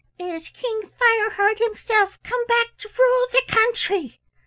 "It is King Fireheart himself come back to rule the country!"